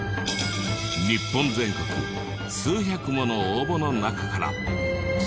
日本全国数百もの応募の中から。